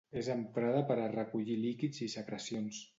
És emprada per a recollir líquids i secrecions.